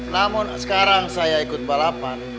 namun sekarang saya ikut balapan